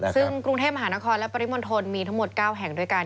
ซึ่งกรุงเทพมหานครและปริมณฑลมีทั้งหมด๙แห่งด้วยกัน